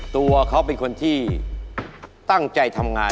ตัวเขาเป็นคนที่ตั้งใจทำงาน